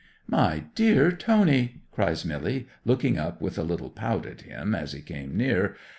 '"My dear Tony!" cries Milly, looking up with a little pout at him as he came near.